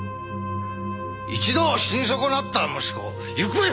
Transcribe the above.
一度死に損なった息子行方不明の息子。